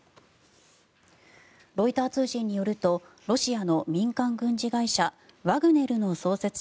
ロイター通信によるとロシアの民間軍事会社ワグネルの創設者